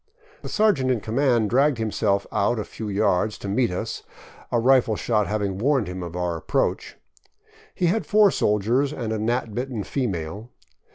The sergeant in command dragged himself out a few yards to meet us, a rifle shot having warned him of our approach. He had four soldiers and a gnat bitten female.